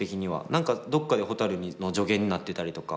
何かどっかでほたるの助言になってたりとか